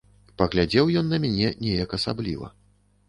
Паглядзеў ён на мяне неяк асабліва.